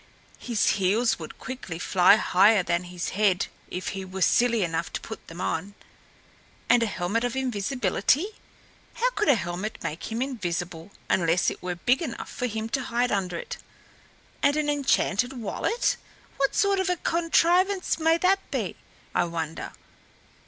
His heels would quickly fly higher than his head if he was silly enough to put them on. And a helmet of invisibility! How could a helmet make him invisible, unless it were big enough for him to hide under it? And an enchanted wallet! What sort of a contrivance may that be, I wonder?